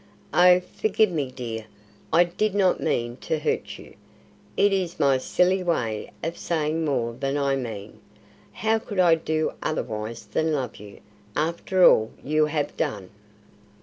"Oh, forgive me, dear; I did not mean to hurt you. It is my silly way of saying more than I mean. How could I do otherwise than love you after all you have done?"